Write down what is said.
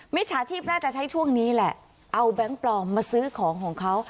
จฉาชีพน่าจะใช้ช่วงนี้แหละเอาแบงค์ปลอมมาซื้อของของเขา